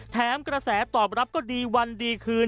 กระแสตอบรับก็ดีวันดีคืน